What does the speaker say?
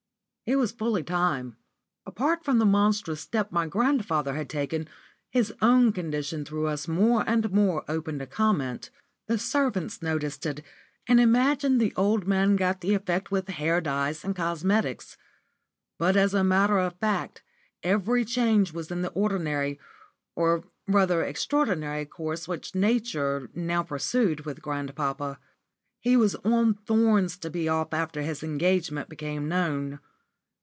It was fully time. Apart from the monstrous step my grandfather had taken, his own condition threw us more and more open to comment. The servants noticed it, and imagined the old man got the effect with hair dyes and cosmetics. But as a matter of fact, every change was in the ordinary, or rather extraordinary course which Nature now pursued with grandpapa. He was on thorns to be off after his engagement became known.